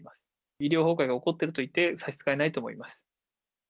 医療崩壊が起こっていると言って差し支えないと思います。